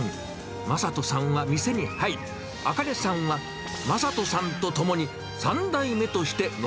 正人さんは店に入り、あかねさんは正人さんと共に３代目としての